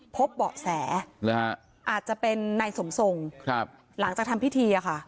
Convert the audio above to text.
พบเบาะแสอาจจะเป็นนายสมทรงหลังจากทำพิธีอะค่ะ